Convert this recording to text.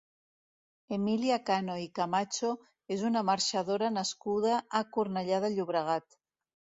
Emilia Cano i Camacho és una marxadora nascuda a Cornellà de Llobregat.